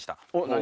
何？